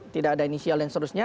tidak ada inisial dan seterusnya